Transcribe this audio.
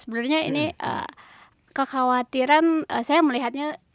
sebenarnya ini kekhawatiran saya melihatnya